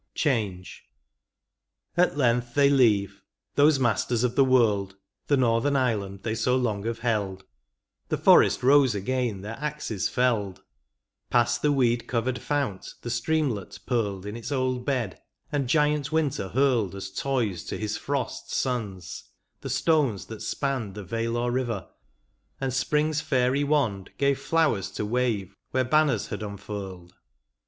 15 vn. CHANGE. At length they leave, those masters of the world, The northern island they so long have held ; The forest rose again their axes felled. Past the weed covered fount the streamlet purled In its old bed ; and giant winter hurled As toys to his frost sons, the stones that spanned The vale or river, and spring's fairy wand Gave flowers to wave where banners had unfurled.